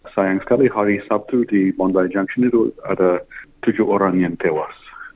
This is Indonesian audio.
sayang sekali hari sabtu di montarajang sini itu ada tujuh orang yang tewas